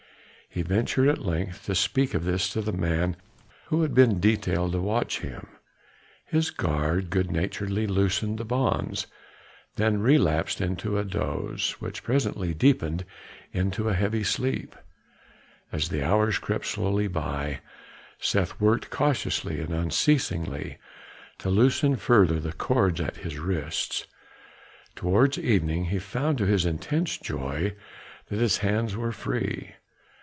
He ventured at length to speak of this to the man who had been detailed to watch him; his guard good naturedly loosened the bonds, then relapsed into a doze, which presently deepened into a heavy sleep. As the hours crept slowly by, Seth worked cautiously and unceasingly to loosen further the cords at his wrists. Towards evening he found to his intense joy that his hands were free.